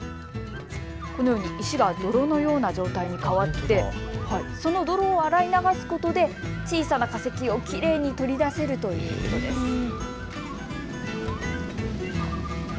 このように石が泥のような状態に変わってその泥を洗い流すことで小さな化石をきれいに取り出せるということです。